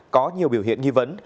có nhiều biểu hiện nghi vấn